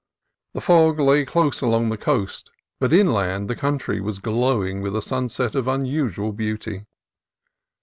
The fog lay close along the coast, but inland the country was glowing with a sunset of unusual beauty.